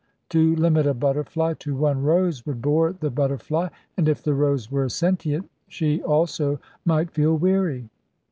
To limit a butterfly to one rose would bore the butterfly, and if the rose were sentient, she also might feel weary.